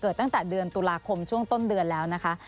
ตั้งแต่เดือนตุลาคมช่วงต้นเดือนแล้วนะคะ